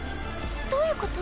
どういうこと？